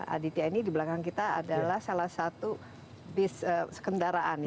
aditya ini di belakang kita adalah salah satu bis kendaraan